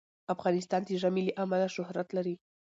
افغانستان د ژمی له امله شهرت لري.